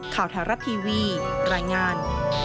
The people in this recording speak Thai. ข่าวไทยรัฐทีวีรายงาน